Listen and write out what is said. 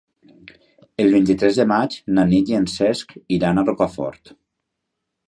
El vint-i-tres de maig na Nit i en Cesc iran a Rocafort.